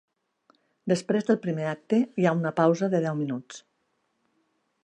Després del primer acte hi ha una pausa de deu minuts.